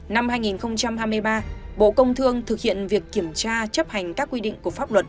năm hai nghìn hai mươi ba bộ công thương thực hiện việc kiểm tra chấp hành các quy định của pháp luật